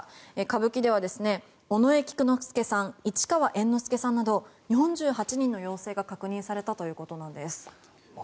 歌舞伎では、尾上菊之助さん市川猿之助さんなど４８人の陽性が確認されたということなんです。